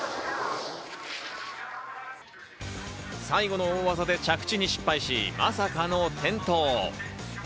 最後の大技で着地に失敗し、まさかの転倒。